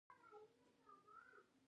ښه پلورونکی په سترګو خبرې کوي.